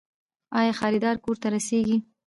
آیا خریداري کور ته رسیږي؟